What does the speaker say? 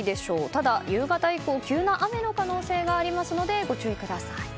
ただ、夕方以降急な雨の可能性がありますのでご注意ください。